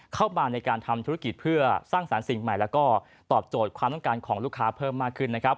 เข้ามาในการทำธุรกิจเพื่อสร้างสารสิ่งใหม่แล้วก็ตอบโจทย์ความต้องการของลูกค้าเพิ่มมากขึ้นนะครับ